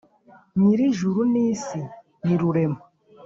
nyir ijuru nisi ni rurema